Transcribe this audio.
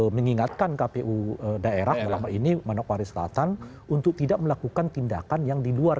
mengingatkan kpu daerah